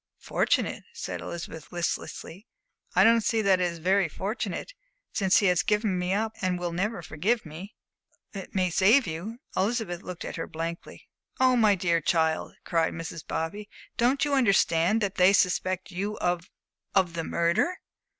"Fortunate?" said Elizabeth, listlessly. "I don't see that it is very fortunate, since he has given me up and will never forgive me." "But it may save you." Elizabeth looked at her blankly. "Oh, my dear child," cried Mrs. Bobby, "don't you understand that they suspect you of of the murder?"